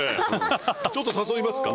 ちょっと誘いますか。